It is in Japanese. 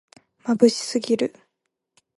まぶしすぎる